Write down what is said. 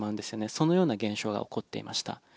そのような現象が起こっていました。